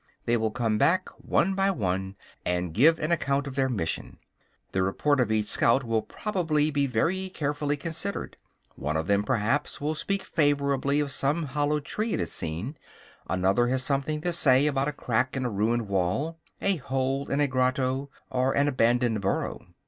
They will come back one by one, and give an account of their mission. The report of each scout will probably be very carefully considered. One of them, perhaps, will speak favorably of some hollow tree it has seen; another has something to say about a crack in a ruined wall, a hole in a grotto, or an abandoned burrow.